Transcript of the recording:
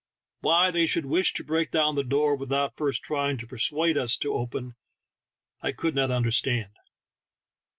Why they should wish to break down the door without first trying to persuade us to open it I could not understand.